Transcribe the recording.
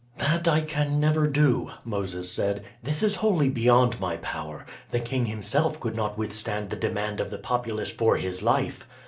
"That I can never do," Moses said. "This is wholly beyond my power; the king himself could not withstand the demand of the populace for his life.